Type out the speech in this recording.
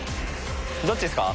どっちですか？